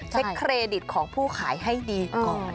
เครดิตของผู้ขายให้ดีก่อน